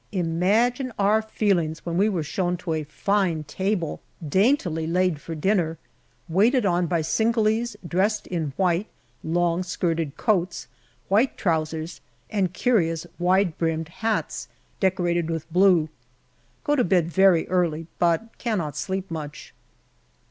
Imagine our feelings when we were shown to a fine table daintily laid for dinner, waited on by Singalese dressed in white, long skirted coats, white trousers, and curious wide brimmed hats decorated with blue. Go to bed very early, but cannot sleep much.